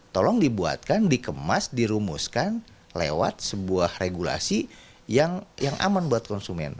tolong dibuatkan dikemas dirumuskan lewat sebuah regulasi yang aman buat konsumen